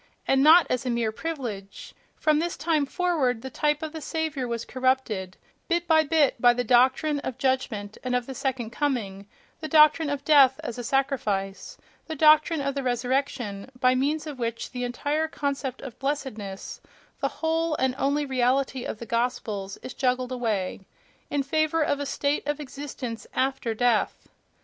And not as a mere privilege!—From this time forward the type of the Saviour was corrupted, bit by bit, by the doctrine of judgment and of the second coming, the doctrine of death as a sacrifice, the doctrine of the resurrection, by means of which the entire concept of "blessedness," the whole and only reality of the gospels, is juggled away—in favour of a state of existence after death!...